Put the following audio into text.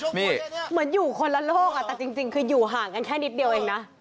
นี่เหมือนอยู่คนละโลกแต่จริงคืออยู่ห่างกันแค่นิดเดียวเองนะ